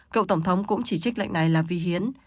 cựu tổng thống cũng chỉ trích lệnh này là vi hiến